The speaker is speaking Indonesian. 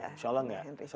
insya allah enggak